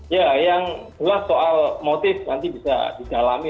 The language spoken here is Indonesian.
ya yang jelas soal motif nanti bisa didalami